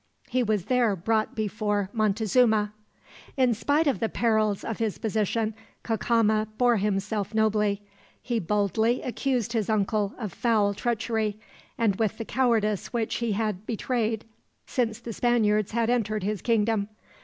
He was there brought before Montezuma. In spite of the perils of his position, Cacama bore himself nobly. He boldly accused his uncle of foul treachery, and with the cowardice which he had betrayed since the Spaniards had entered his kingdom.